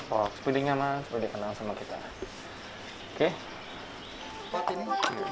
oh sepeda nyaman sepeda kenal sama kita oke